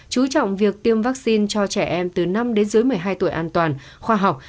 chú trọng việc tiêm vaccine cho trẻ em từ năm đến dưới một mươi hai tuổi an toàn khoa học